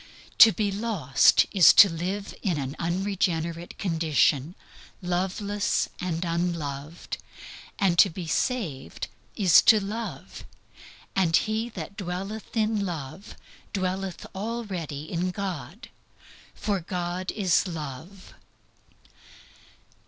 To be lost is to live in an unregenerate condition, loveless and unloved; and to be saved is to love; and he that dwelleth in love dwelleth already in God. For God is Love.